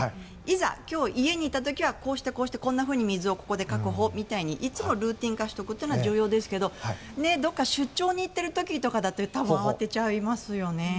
いざ、家にいた時にはこうしてこうしてこんなふうに水をここで確保みたいにいつもルーティン化しておくことは重要ですがどこか出張行ってる時とかだと慌てちゃいますよね。